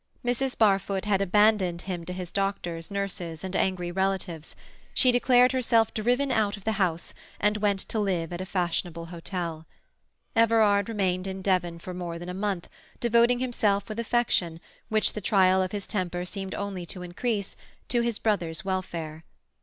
Mrs. Barfoot had abandoned him to his doctors, nurses, and angry relatives; she declared herself driven out of the house, and went to live at a fashionable hotel. Everard remained in Devon for more than a month, devoting himself with affection, which the trial of his temper seemed only to increase, to his brother's welfare.